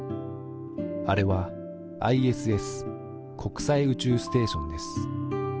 あれはＩＳＳ国際宇宙ステーションです。